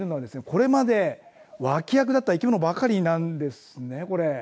これまで脇役だった生き物ばかりなんですね、これ。